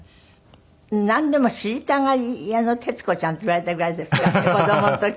なんでも知りたがり屋の徹子ちゃんって言われたぐらいですからね子供の時から。